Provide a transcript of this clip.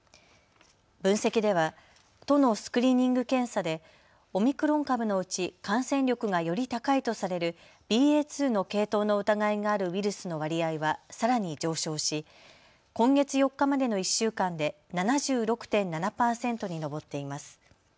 分析では都のスクリーニング検査でオミクロン株のうち感染力がより高いとされるＢＡ．２の系統の疑いがあるウイルスの割合は、さらに上昇し今月４日までの１週間で７６．７％に上っています。